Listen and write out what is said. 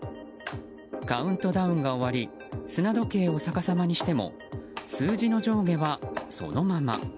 カウントダウンが終わり砂時計をさかさまにしても数字の上下は、そのまま。